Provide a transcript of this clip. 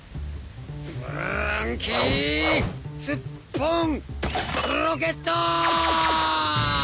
フランキースッポンロケット！